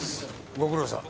ご苦労さん。